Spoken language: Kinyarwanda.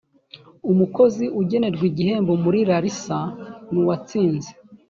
umukozi ugenerwa igihembo muri ralsa nuwatsinze.